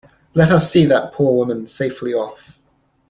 Let us see that poor woman safely off.